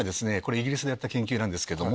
イギリスでやった研究なんですけども。